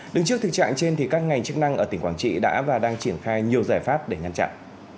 đứng trước thực trạng trên thì các ngành chức năng ở tỉnh quảng trị đã và đang triển khai nhiều giải pháp để ngăn chặn